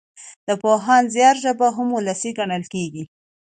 د پوهاند زيار ژبه هم وولسي ګڼل کېږي.